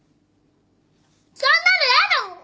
そんなのやだもん。